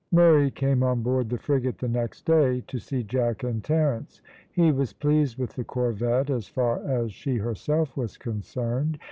Murray came on board the frigate the next day to see Jack and Terence. He was pleased with the corvette as far as she herself was concerned.